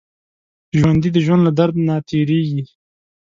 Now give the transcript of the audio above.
ژوندي د ژوند له درد نه تېرېږي